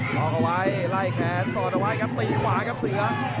ล็อกเอาไว้ไล่แขนสอดเอาไว้ครับตีขวาครับเสือ